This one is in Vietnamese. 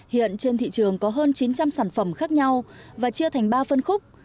hiện trên thị trường có hơn chín trăm linh sản phẩm khác nhau và chia thành ba phân khúc